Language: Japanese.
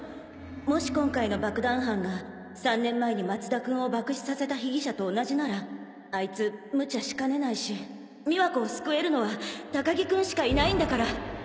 もし今回の爆弾犯が３年前に松田君を爆死させた被疑者と同じならあいつムチャしかねないし美和子を救えるのは高木君しかいないんだから！